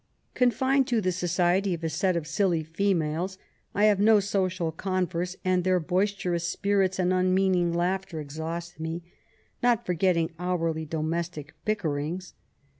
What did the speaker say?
Confined to the society of a set of silly females, I have no social converse, and their hoisterons spirits and unmeaning langhter exhaust me, not forgetting hourly domestic bickerings.